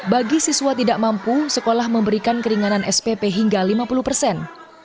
bagi siswa tidak mampu sekolah memberikan keringanan spp hingga lima puluh persen